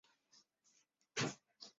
球队参加捷克足球甲级联赛的赛事。